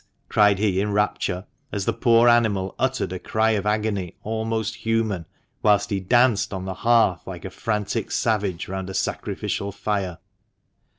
" cried he in rapture, as the poor animal uttered a cry of agony almost human, whilst he danced on the hearth like a frantic savage round a sacrificial fire.